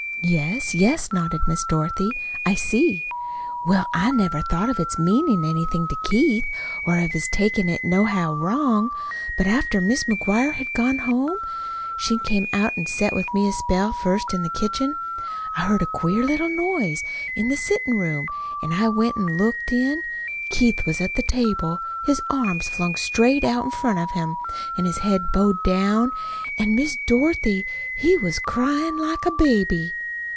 "Yes, yes," nodded Miss Dorothy. "I see." "Well, I never thought of its meanin' anything to Keith, or of his takin' it nohow wrong; but after Mis' McGuire had gone home (she came out an' set with me a spell first in the kitchen) I heard a queer little noise in the settin' room, an' I went an' looked in. Keith was at the table, his arms flung straight out in front of him, an' his head bowed down. An', Miss Dorothy, he was cryin' like a baby."